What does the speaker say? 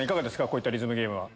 こういったリズムゲームは。